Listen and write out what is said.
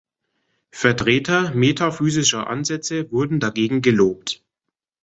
Vertreter metaphysischer Ansätze wurden dagegen gelobt.